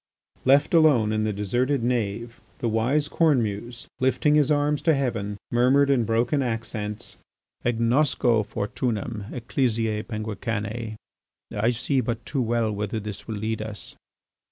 Left alone in the deserted nave, the wise Cornemuse, lifting his arms to heaven, murmured in broken accents: "Agnosco fortunam ecclesiæ penguicanæ! I see but too well whither this will lead us."